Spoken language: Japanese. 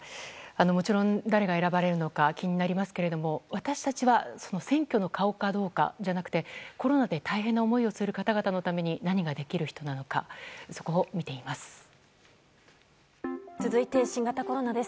もちろん、誰が選ばれるのか、気になりますけれども、私たちはその選挙の顔かどうかじゃなくて、コロナで大変な思いをする方々のために何ができる人なのか、そこを見ています。